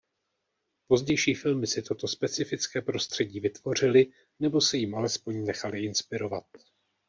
Pozdější filmy si toto specifické prostředí vytvořily nebo se jím alespoň nechaly inspirovat.